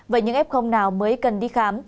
vậy những f nào mới cần đi khám